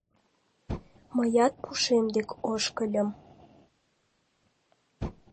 Мыят пушем дек ошкыльым...